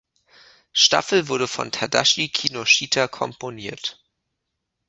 Staffel wurde von Tadashi Kinoshita komponiert.